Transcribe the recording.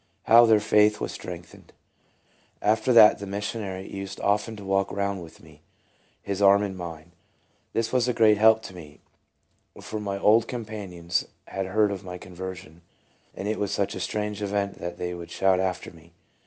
How their faith was strength ened. After that the missionary used often to walk round with me, his arm in mine. This was a great help to me, for all my old com panions had heard of my conversion, and it was such a strange event that they would shout after me.